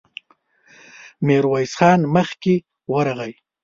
ميرويس خان مخکې ورغی.